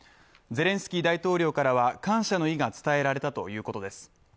ゼレンスキー大統領からは感謝の意が伝えられたということです。